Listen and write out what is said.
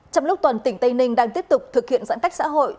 trong lúc toàn tỉnh tây ninh đang tiếp tục thực hiện giãn cách xã hội